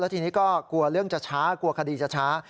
ทีนี้ก็กลัวเรื่องจะช้ากลัวคดีจะช้า